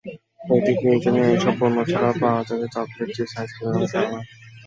অতিপ্রয়োজনীয় এসব পণ্য ছাড়াও পাওয়া যাবে চকলেট, চিপস, আইসক্রিম কিংবা খেলনা।